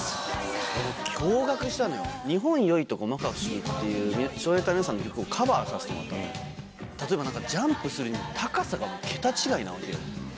驚がくしたのは、日本よいとこ摩訶不思議っていうね、少年隊の皆さんの曲をカバーさせていただいたときに、例えばなんか、ジャンプするにも高さが桁違いなわけよ。